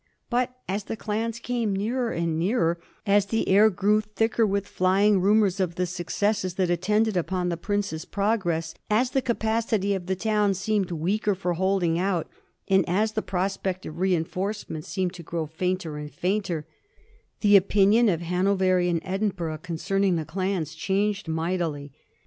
But as the clans came nearer and nearer, as the air grew thicker with flying rumors of the successes that attended upon the prince's progress, as the capacity of the town seemed weaker for holding out, and as the prospect of reinforcements seemed to grow fainter and fainter, the opinion of Hanoverian Edinburgh concerning the clans changed mightily.